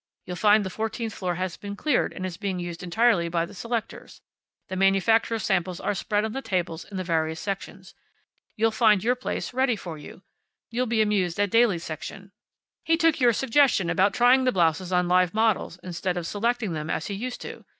You'll find the fourteenth floor has been cleared and is being used entirely by the selectors. The manufacturers' samples are spread on the tables in the various sections. You'll find your place ready for you. You'll be amused at Daly's section. He took your suggestion about trying the blouses on live models instead of selecting them as he used to.